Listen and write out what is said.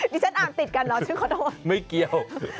ดิฉันอ่านติดกันหรอไม่เกี่ยว